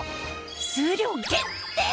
数量限定